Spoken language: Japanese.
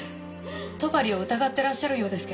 戸張を疑ってらっしゃるようです